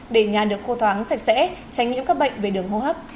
để nhà được khô thoáng sạch sẽ tránh nhiễm các bệnh về đường hô hấp